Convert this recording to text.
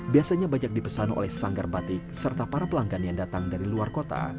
biasanya banyak dipesan oleh sanggar batik serta para pelanggan yang datang dari luar kota